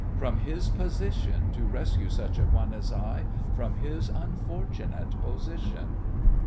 From his position, To rescue such an one as I From his unfortunate position?